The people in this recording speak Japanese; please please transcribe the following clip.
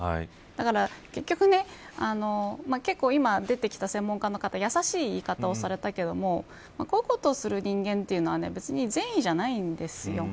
だから、結局結構、今出てきた専門家の方やさしい言い方をされたけどもこういうことをする人間というのは別に善意じゃないんですよ。